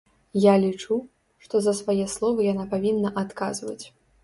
Я лічу, што за свае словы яна павінна адказваць.